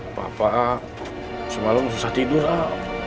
apa apa semalam susah tidur a